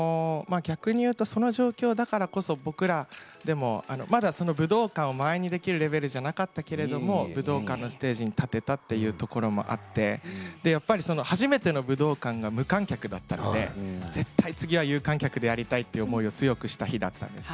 逆に言うとその状況だからこそ僕らまだ武道館を満員にできるレベルじゃなかったけれど武道館の聖地に立てたというところもあって初めての武道館が無観客だったので絶対次は有観客でやりたいという思いを強くした日でもありました。